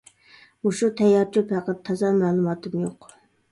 مۇشۇ تەييار چۆپ ھەققىدە تازا مەلۇماتىم يوق.